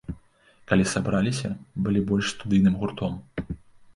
Калі сабраліся, былі больш студыйным гуртом.